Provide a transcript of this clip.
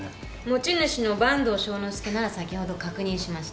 持ち主の坂東庄之助なら先ほど確認しました。